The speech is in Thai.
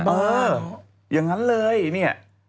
เอออย่างนั้นเลยเนี่ย